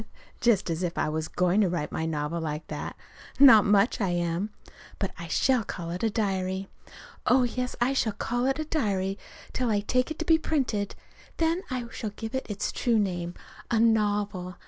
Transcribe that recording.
Just as if I was going to write my novel like that! Not much I am. But I shall call it a diary. Oh, yes, I shall call it a diary till I take it to be printed. Then I shall give it its true name a novel.